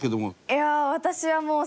いやあ私はもう。